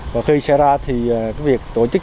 và khi xảy ra thì việc tổ chức